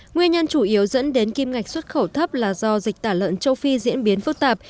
nguyên nhân chủ yếu dẫn đến kim ngạch xuất khẩu thấp là do dịch tả lợn châu phi diễn biến phức tạp